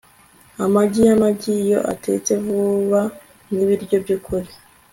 Amagi yamagi iyo atetse vuba ni ibiryo byukuri